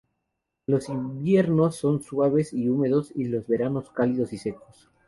Los inviernos son suaves y húmedos, y los veranos cálidos y secos.